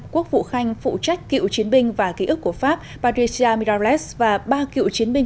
quốc vụ khanh phụ trách cựu chiến binh và ký ức của pháp patricia mirales và ba cựu chiến binh